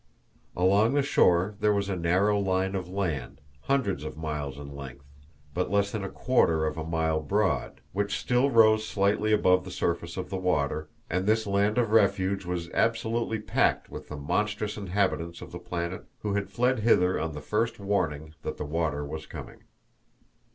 Along the shore there was a narrow line of land, hundreds of miles in length, but less than a quarter of a mile broad, which still rose slightly above the surface of the water, and this land of refuge was absolutely packed with the monstrous inhabitants of the planet who had fled hither on the first warning that the water was coming.